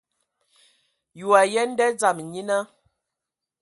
Yi wa yen nda dzama nyina?